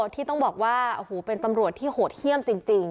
ที่ต้องบอกว่าโอ้โหเป็นตำรวจที่โหดเยี่ยมจริง